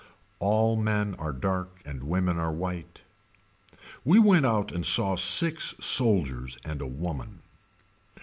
All men are dark and women white. We went out and saw six soldiers and a woman.